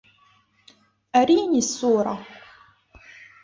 اريني الصورة!